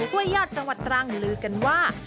ห้วยยอดจังหวัดตรังลือกันว่า